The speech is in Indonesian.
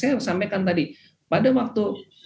saya sampaikan tadi pada waktu